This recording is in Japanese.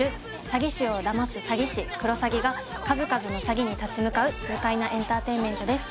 詐欺師をだます詐欺師クロサギが数々の詐欺に立ち向かう痛快なエンターテインメントです